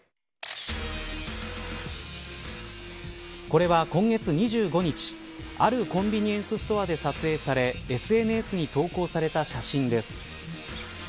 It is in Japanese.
これは今月２５日あるコンビニエンスストアで撮影されＳＮＳに投稿された写真です。